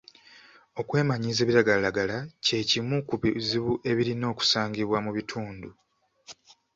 Okwemanyiiza ebiragalalagala kye kimu ku bizibu ebirina okusangibwa mu bitundu.